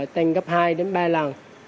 tăng gấp hai ba lần